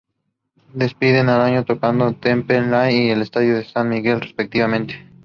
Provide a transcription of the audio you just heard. He was the trustee of Sin Sze Si Ya Temple’s assets.